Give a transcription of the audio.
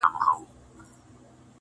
کوم خوا چې خلق وو دکلى يو کېدو له روان